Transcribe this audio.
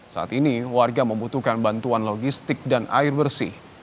saat ini warga membutuhkan bantuan logistik dan air bersih